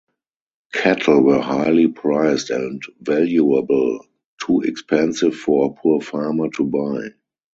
Cattle were highly prized and valuable, too expensive for a poor farmer to buy.